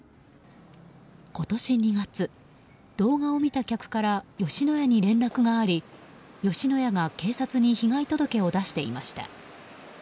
今年２月、動画を見た客から吉野家に連絡があり吉野家が警察に被害届を出していました。